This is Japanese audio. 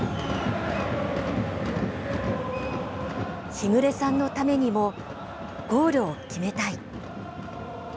日暮さんのためにもゴールを決めたい。